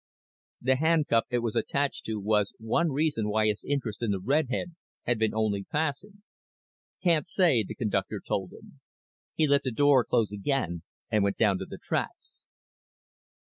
The handcuff it was attached to was one reason why his interest in the redhead had been only passing. "Can't say," the conductor told him. He let the door close again and went down to the tracks.